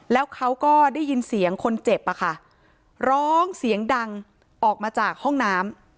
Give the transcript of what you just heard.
แล้วเขาก็ได้ยินเสียงคนเจ็บอะค่ะร้องเสียงดังออกมาจากห้องน้ำ